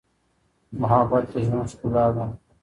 محبت د ژوند ښکلا ده.